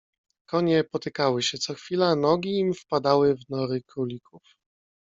"Konie potykały się co chwila, nogi im wpadały w nory królików."